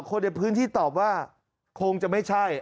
คนในพื้นที่ตอบว่าคงจะไม่ใช่